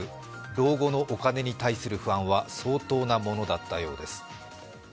老後のお金に対する不安は相当なものだったようです。